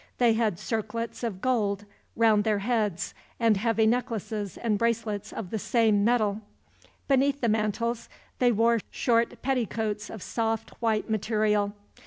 They had circlets of gold round their heads, and heavy necklaces and bracelets of the same metal. Beneath the mantles they wore short petticoats of soft white material.